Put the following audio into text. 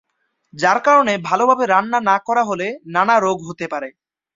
যার কারণে ভালোভাবে রান্না না করা হলে নানা রোগ হতে পারে।